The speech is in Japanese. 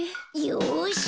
よし。